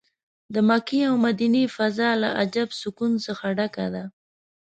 د مکې او مدینې فضا له عجب سکون څه ډکه ده.